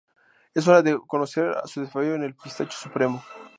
Es hora de conocer a su desafío en el Pistacho Supremo"".